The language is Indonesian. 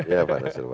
ya pak nusirwan